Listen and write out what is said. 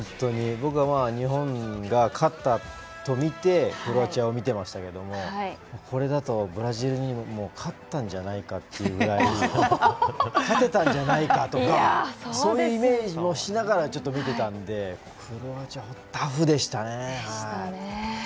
僕は日本が勝ったと見てクロアチアを見ていましたけどもこれだとブラジルにも勝ったんじゃないかっていうぐらい勝てたんじゃないかとかそのイメージもしながら見てたんでクロアチア、タフでしたね。